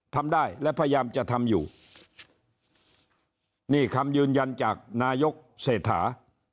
ทำได้และพยายามจะทำอยู่นี่คำยืนยันจากนายกเศรษฐา